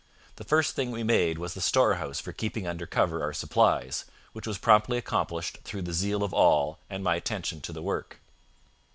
The first thing we made was the storehouse for keeping under cover our supplies, which was promptly accomplished through the zeal of all, and my attention to the work.